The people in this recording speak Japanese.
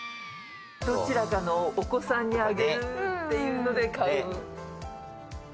どちらかのお子さんにあげるっていうので。